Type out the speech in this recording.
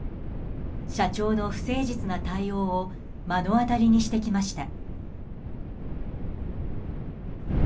社長の不誠実な対応を目の当たりにしてきました。